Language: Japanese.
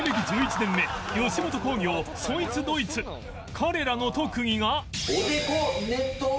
彼らの特技が